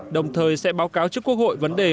đồng thời sẽ báo cáo trước quốc hội vấn đề